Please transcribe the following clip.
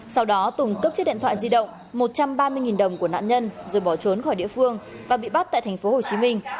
sau đó tùng cướp chiếc điện thoại di động một trăm ba mươi đồng của nạn nhân rồi bỏ trốn khỏi địa phương và bị bắt tại thành phố hồ chí minh